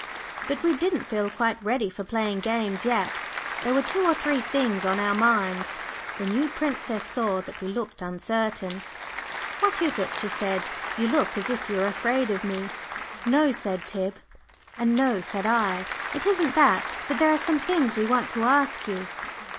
But we didn't feel quite ready for playing games yet. There were two or three things on our minds. The new princess saw that we looked uncertain. "What is it?" she said. "You look as if you were afraid of me." "No," said Tib, and "No," said I. "It isn't that, but there are some things we want to ask you."